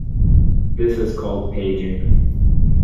This is called paging.